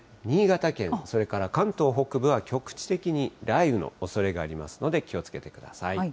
新潟県、それから関東北部は局地的に雷雨のおそれがありますので、気をつけてください。